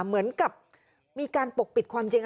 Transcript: เหมือนกับมีการปกปิดความจริง